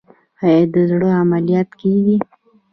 آیا د زړه عملیات کیږي؟